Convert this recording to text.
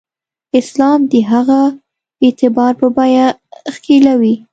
اسلام د هغه اعتبار په بیه ښکېلوي.